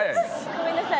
ごめんなさい。